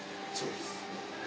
そうです。